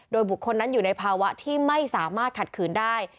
โดยบุคคลนั้นอยู่ในภาวะที่ไม่สามารถขัดขืนได้